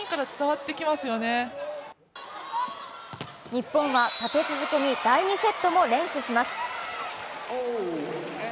日本は立て続けに第２セットも連取します。